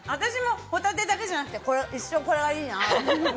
ホタテだけじゃなくてこれがいいな。